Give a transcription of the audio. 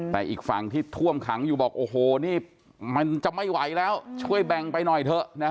แต่อีกฝั่งที่ท่วมขังอยู่บอกโอ้โหนี่มันจะไม่ไหวแล้วช่วยแบ่งไปหน่อยเถอะนะ